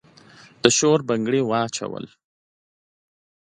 د شور بنګړي واچول